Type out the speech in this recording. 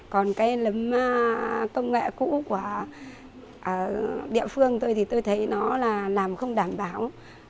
còn cái lấm công nghệ cũ của địa phương tôi thì tôi thấy nó là làm không đảm bảo